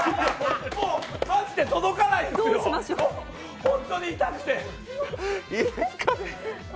もうマジで届かない、本当に痛くて。